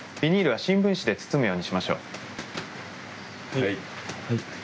はい。